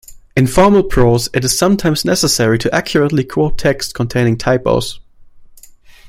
In formal prose, it is sometimes necessary to accurately quote text containing typos.